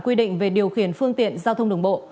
quy định về điều khiển phương tiện giao thông đường bộ